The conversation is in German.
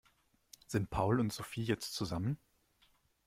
Sind Paul und Sophie jetzt zusammen?